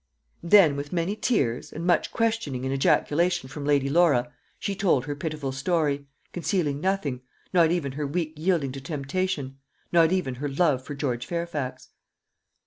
And then, with many tears, and much questioning and ejaculation from Lady Laura, she told her pitiful story concealing nothing, not even her weak yielding to temptation, not even her love for George Fairfax.